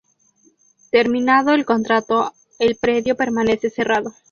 Terminado el contrato el predio permanece cerrado.